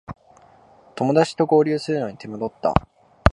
友だちと合流するのに手間取った